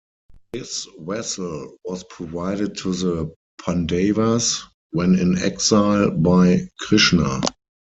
This vessel was provided to the Pandavas, when in exile, by Krishna.